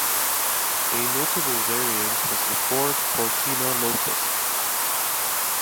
A notable variant was the Ford Cortina Lotus.